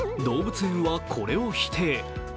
動物園はこれを否定。